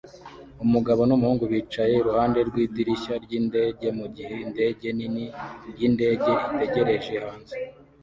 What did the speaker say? Umugabo n'umuhungu bicaye iruhande rw'idirishya ry'indege mu gihe indege nini y'indege itegereje hanze